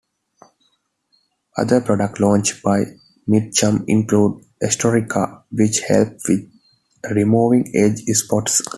Other products launched by Mitchum, include "Esoterica" which helped with removing age spots.